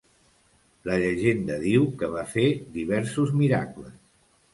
La llegenda diu que va fer diversos miracles.